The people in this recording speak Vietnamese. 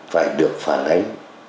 phải được phản ánh